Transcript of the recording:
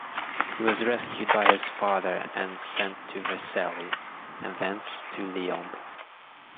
He was rescued by his father and sent to Vercelli, and thence to Lyon.